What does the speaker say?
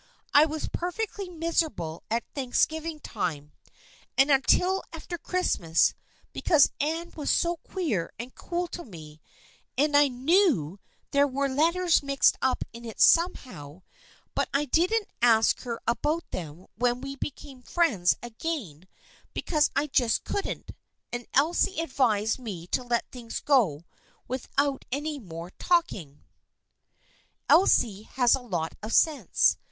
I was perfectly miserable at Thanksgiving time, and until after Christmas, be cause Anne was so queer and cool to me, and I knew 258 THE FKIENDSHIP OF ANNE there were letters mixed up in it somehow, but I didn't ask her about them when we became friends again because I just couldn't. And Elsie advised me to let things go without any more talking." " Elsie has a lot of sense.